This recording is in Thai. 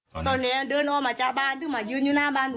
ตอนนี้เดือนออกมาจากบานเบามายืนอยู่หน้าบาน